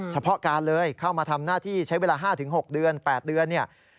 เฉพาะการเลยเข้ามาทำหน้าที่ใช้เวลา๕๖เดือน๘เดือนเนี่ย